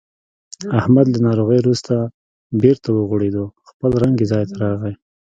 احمد له ناروغۍ ورسته بېرته و غوړېدو. خپل رنګ یې ځای ته راغی.